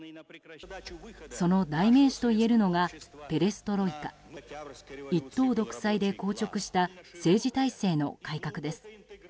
その代名詞といえるのがペレストロイカ一党独裁で硬直した政治体制の改革です。